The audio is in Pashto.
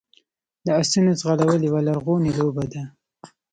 د اسونو ځغلول یوه لرغونې لوبه ده.